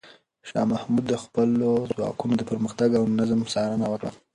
شاه محمود د خپلو ځواکونو د پرمختګ او نظم څارنه وکړه.